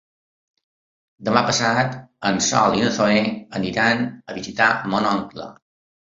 Demà passat en Sol i na Zoè aniran a visitar mon oncle.